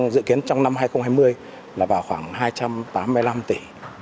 dự kiến trong năm hai nghìn hai mươi là vào khoảng hai trăm tám mươi năm tỷ